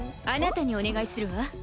あなたにお願いするわ。